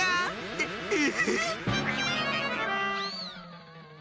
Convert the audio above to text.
ええ。